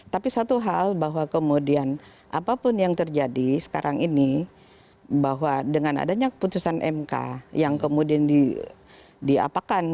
tapi satu hal bahwa kemudian apapun yang terjadi sekarang ini bahwa dengan adanya keputusan mk yang kemudian diapakan